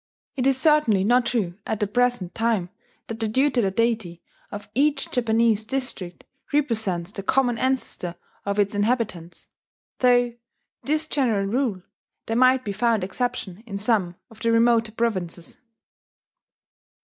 It is certainly not true at the present time that the tutelar deity of each Japanese district represents the common ancestor of its inhabitants, though, to this general rule, there might be found exception in some of the remoter provinces.